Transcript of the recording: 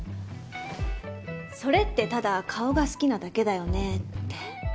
それってただ顔が好きなだけだよねって。